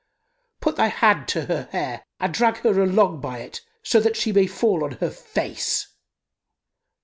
Put thy hand to her hair and drag her along by it, so that she may fall on her face."